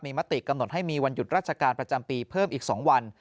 มีมติกำหนดให้มีวันหยุดราชการประจำปีเพิ่มอีก๒วัน